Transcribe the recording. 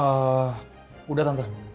ehm udah tante